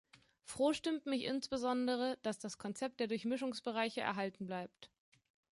Froh stimmt mich insbesondere, dass das Konzept der Durchmischungsbereiche erhalten bleibt.